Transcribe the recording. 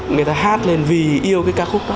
người ta hát lên vì yêu cái ca khúc đó